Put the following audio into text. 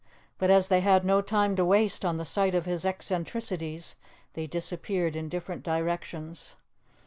But as they had no time to waste on the sight of his eccentricities, they disappeared in different directions.